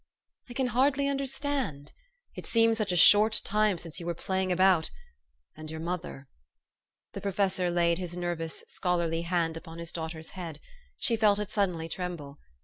I can hardly understand. It seems such a short time since you were playing about ; and your mother " The professor laid his nervous, scholarly hand upon his daughter's head ; she felt it suddenly tremble.